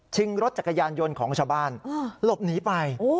รถจักรยานยนต์ของชาวบ้านหลบหนีไป